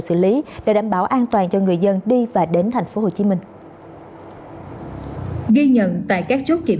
xử lý để đảm bảo an toàn cho người dân đi và đến thành phố hồ chí minh ghi nhận tại các chốt kiểm